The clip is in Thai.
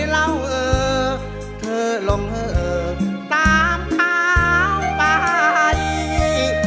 แล้วเธอลงตามเท้าไป